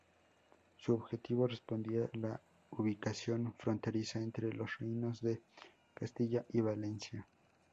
Su objetivo respondía a la ubicación fronteriza entre los reinos de Castilla y Valencia.